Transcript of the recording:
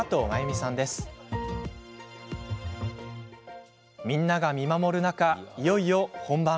みんなが見守る中、いよいよ本番。